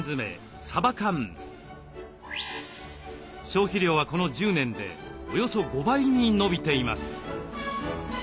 消費量はこの１０年でおよそ５倍に伸びています。